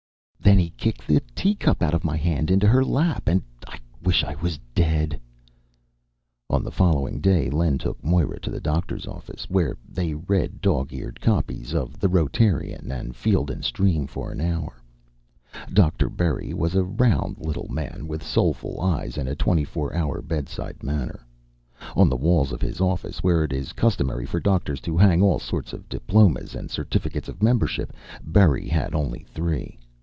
" then he kicked the teacup out of my hand into her lap, and I wish I was dead!" On the following day, Len took Moira to the doctor's office, where they read dog eared copies of The Rotarian and Field and Stream for an hour. Dr. Berry was a round little man with soulful eyes and a twenty four hour bedside manner. On the walls of his office, where it is customary for doctors to hang all sorts of diplomas and certificates of membership, Berry had only three.